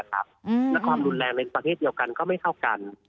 และความรุนแรงในประเทศเดียวกันก็ไม่เท่ากัน